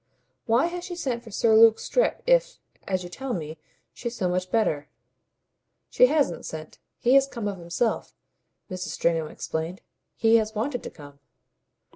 "Why has she sent for Sir Luke Strett if, as you tell me, she's so much better?" "She hasn't sent. He has come of himself," Mrs. Stringham explained. "He has wanted to come."